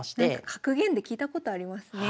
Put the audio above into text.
格言で聞いたことありますね。